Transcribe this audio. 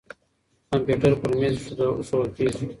کمپيوټر پر مېز ايښوول کيږي.